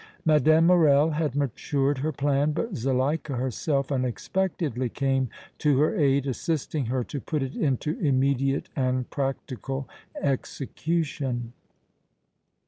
Mme. Morrel had matured her plan, but Zuleika herself unexpectedly came to her aid, assisting her to put it into immediate and practical execution.